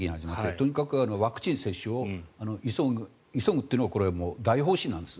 とにかくワクチン接種を急ぐっていうのがこれはもう政府の大方針なんですよ。